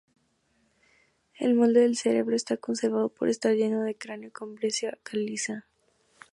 El molde del cerebro está conservado por estar lleno el cráneo con breccia caliza.